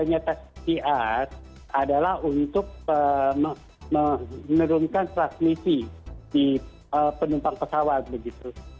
hanya tes pcr adalah untuk menurunkan transmisi di penumpang pesawat begitu